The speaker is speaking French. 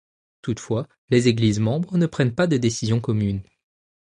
Toutefois, les Églises membres ne prennent pas de décisions communes.